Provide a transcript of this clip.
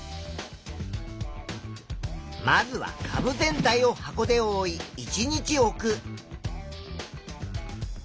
まずはかぶ全体を箱でおおい１日置く。